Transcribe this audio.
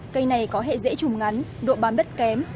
cây này có hệ dễ trùm ngắn độ bám bất kém